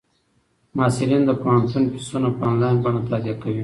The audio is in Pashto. محصلین د پوهنتون فیسونه په انلاین بڼه تادیه کوي.